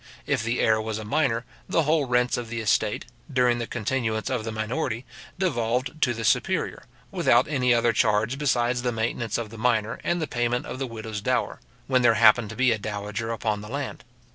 If the heir was a minor, the whole rents of the estate, during the continuance of the minority, devolved to the superior, without any other charge besides the maintenance of the minor, and the payment of the widow's dower, when there happened to be a dowager upon the land.